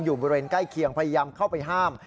อยู่บริเวณใกล้เคียงพยายามเข้าไปห้าม